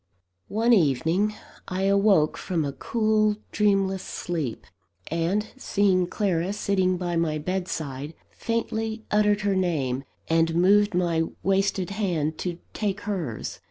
One evening I awoke from a cool, dreamless sleep; and, seeing Clara sitting by my bedside, faintly uttered her name, and moved my wasted hand to take hers.